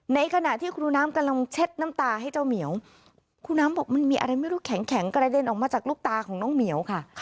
ในขณะที่ครูน้ำกำลังเช็ดน้ำตาให้เจ้าเหมียวครูน้ำบอกมันมีอะไรไม่รู้แข็งกระเด็นออกมาจากลูกตาของน้องเหมียวค่ะ